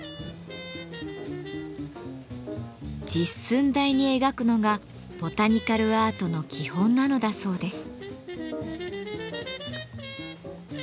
実寸大に描くのがボタニカルアートの基本なのだそうです。